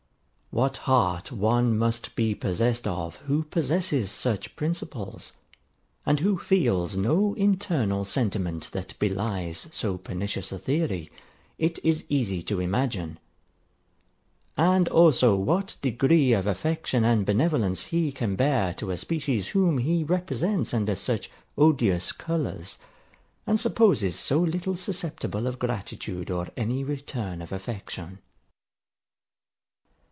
What heart one must be possessed of who possesses such principles, and who feels no internal sentiment that belies so pernicious a theory, it is easy to imagine: and also what degree of affection and benevolence he can bear to a species whom he represents under such odious colours, and supposes so little susceptible of gratitude or any return of affection.